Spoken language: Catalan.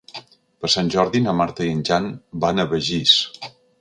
Per Sant Jordi na Marta i en Jan van a Begís.